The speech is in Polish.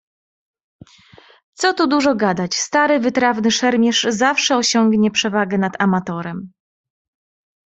"Co tu dużo gadać, stary wytrawny szermierz zawsze osiągnie przewagę nad amatorem."